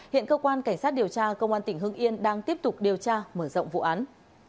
hiện cơ quan cảnh sát điều tra công an tỉnh hưng yên đang tiếp tục điều tra mở rộng vụ án